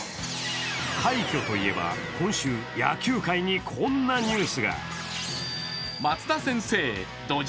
快挙といえば、今週、野球界にこんなニュースが。